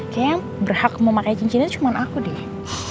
kayaknya yang berhak mau pake cincinnya cuma aku deh